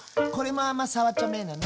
あんま触っちゃメーなの？